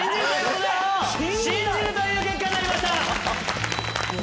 信じるという結果になりました。